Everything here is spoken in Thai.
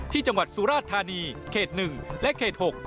จังหวัดสุราชธานีเขต๑และเขต๖